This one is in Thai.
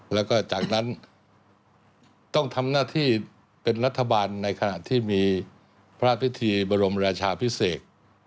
แล้วก็จากนั้นต้องทำหน้าที่เป็นรัฐบาลในขณะที่มีพระพิธีบรมราชาพิเศษ